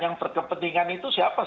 yang berkepentingan itu siapa